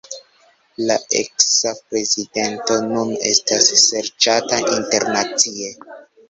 La eksa prezidento nun estas serĉata internacie.